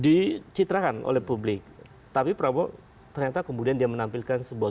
itu sangat keras di dititrakan oleh publik tapi prabowo ternyata kemudian dia menampilkan sebuah